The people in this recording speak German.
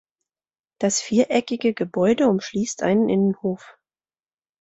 Das viereckige Gebäude umschließt einen Innenhof.